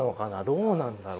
どうなんだろう。